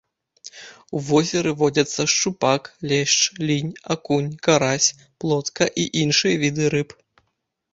У возеры водзяцца шчупак, лешч, лінь, акунь, карась, плотка і іншыя віды рыб.